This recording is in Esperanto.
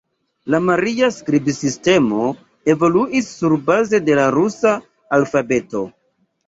La maria skribsistemo evoluis surbaze de la rusa alfabeto.